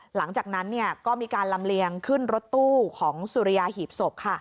หลังจากนั้นก็มีการลำเลียงขึ้นรถตู้ของสุริยาหีบศพ